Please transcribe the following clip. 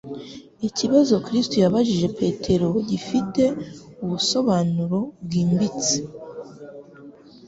Ikibazo Kristo yabajije Petero gifite ubusobanuro bwimbitse.